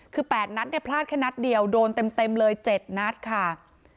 คือ๘นัดเนี่ยพลาดแค่นัดเดียวโดนเต็มเลย๗นัดค่ะ